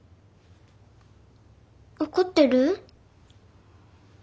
怒ってる？